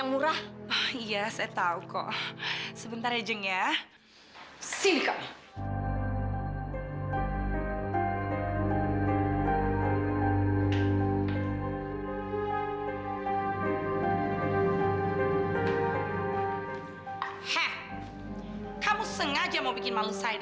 aku pasti gak kelaparan kayak gini